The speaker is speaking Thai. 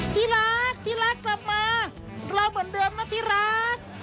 ที่รักที่รักกลับมาเราเหมือนเดิมนะที่รัก